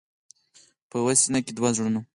په یوه سینه کې دوه زړونه.